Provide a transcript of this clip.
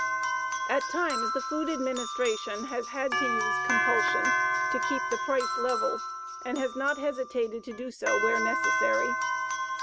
At times the Food Administration has had to use compulsion to keep the price level and has not hesitated to do so where necessary.